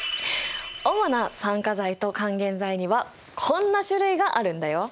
主な酸化剤と還元剤にはこんな種類があるんだよ。